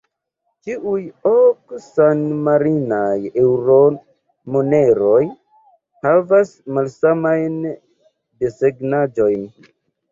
Ĉiuj ok san-marinaj eŭro-moneroj havas malsamajn desegnaĵojn.